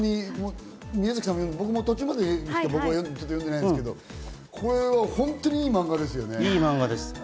僕も途中までしか読んでないんですけれども、これは本当にいい漫画ですよね。